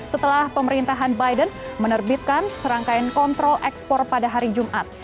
setelah pemerintahan biden menerbitkan serangkaian kontrol ekspor pada hari jumat